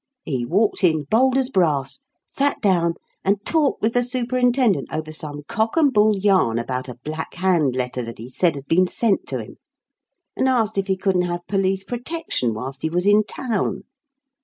He walked in bold as brass, sat down, and talked with the superintendent over some cock and bull yarn about a 'Black Hand' letter that he said had been sent to him, and asked if he couldn't have police protection whilst he was in town.